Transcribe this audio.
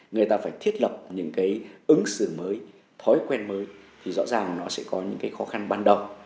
người ta phải thiết lập những cái ứng xử mới thói quen mới thì rõ ràng nó sẽ có những cái khó khăn ban đầu